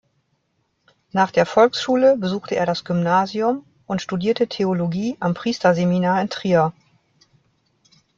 Nach der Volksschule besuchte er das Gymnasium und studierte Theologie am Priesterseminar in Trier.